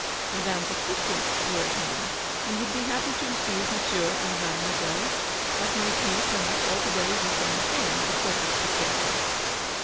Madame's assistants were at home, and would be happy to receive Mon sieur and Mademoiselle. That might be per 78 Eleanor's victory. haps altogether the same thing, the portress suggested.